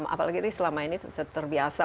apalagi selama ini terbiasa